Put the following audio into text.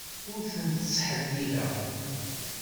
Ur ten-ttḥellileɣ.